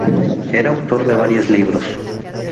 Era autor de varios libros.